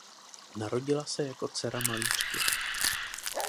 Narodila se jako dcera malířky.